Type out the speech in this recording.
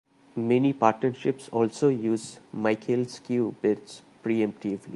Many partnerships also use Michaels Cue Bids preemptively.